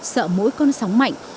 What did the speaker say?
sợ mỗi con sóng mạnh